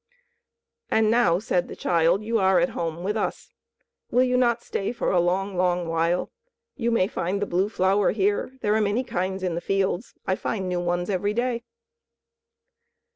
"And now," said the child, "you are at home with us. Will you not stay for a long, long while? You may find the Blue Flower here. There are many kinds in the fields. I find new ones every day."